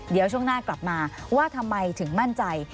เดี๋ยวช่วงหน้ากลับมาว่าทำไมถึงมั่นใจ